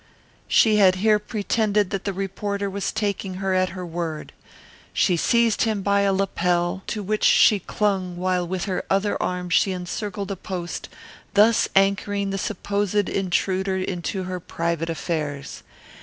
She had here pretended that the reporter was taking her at her word. She seized him by a lapel to which she clung while with her other arm she encircled a post, thus anchoring the supposed intruder into her private affairs.